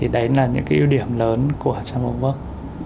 đấy là những ưu điểm lớn của trans bốn work